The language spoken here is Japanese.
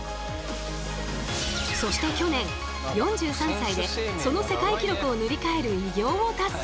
そして去年４３歳でその世界記録を塗り替える偉業を達成。